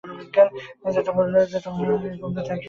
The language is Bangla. কমে যেতে থাকে তার কাজ।